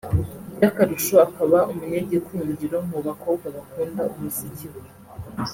by’akarusho akaba umunyagikundiro mu bakobwa bakunda umuziki we